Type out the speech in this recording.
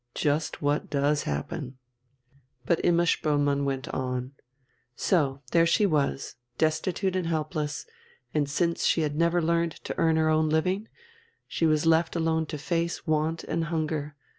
Just what does happen." But Imma Spoelmann went on: "So there she was, destitute and helpless, and, since she had never learned to earn her own living, she was left alone to face want and hunger.